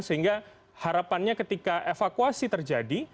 sehingga harapannya ketika evakuasi terjadi